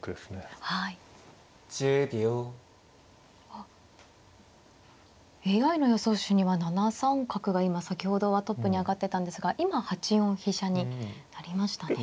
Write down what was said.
あっＡＩの予想手には７三角が今先ほどはトップに挙がってたんですが今８四飛車になりましたね。